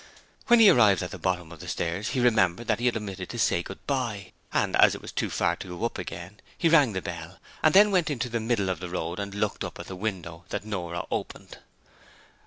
When he arrived at the bottom of the stairs he remembered that he had omitted to say goodbye, and as it was too far to go up again he rang the bell and then went into the middle of the road and looked up at the window that Nora opened.